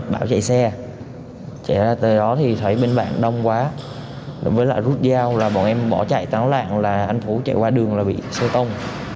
bảo chạy xe chạy ra tới đó thì thấy bên bạn đông quá đúng với lại rút dao là bọn em bỏ chạy tán lạng là anh phú chạy qua đường là bị sơ tông